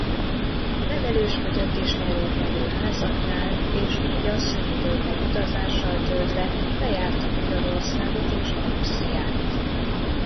Nevelősködött is előkelő házaknál és így a szünidőket utazással töltve bejárta Magyarországot és Ausztriát.